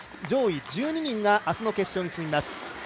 上位１２人があすの決勝に進みます。